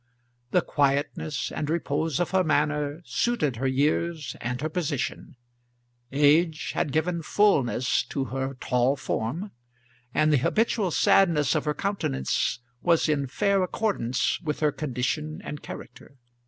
The quietness and repose of her manner suited her years and her position; age had given fulness to her tall form; and the habitual sadness of her countenance was in fair accordance with her condition and character.